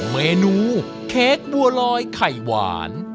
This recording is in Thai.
เมนูเค้กบัวลอยไข่หวาน